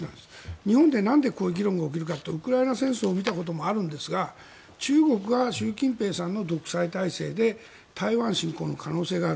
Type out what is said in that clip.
日本でなんでこういう議論が起きるかというとウクライナ戦争を見たこともあるんですが中国が習近平さんの独裁体制で台湾進攻の可能性がある。